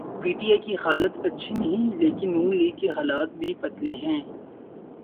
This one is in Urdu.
پی ٹی آئی کی حالت اچھی نہیں لیکن نون لیگ کے حالات بھی پتلے ہیں۔